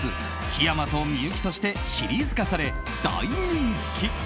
ひやまとみゆき」としてシリーズ化され、大人気。